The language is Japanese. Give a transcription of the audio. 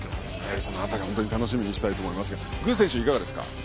その辺りを楽しみにしたいと思いますが具選手、いかがですか？